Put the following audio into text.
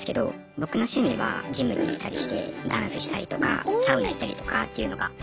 僕の趣味はジムに行ったりしてダンスしたりとかサウナ行ったりとかっていうのが。